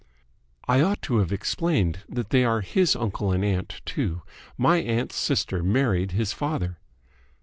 "I ought to have explained that they are his uncle and aunt, too. My aunt's sister married his father."